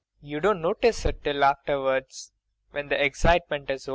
You don't notice it till afterwards when the excitement is over MAIA.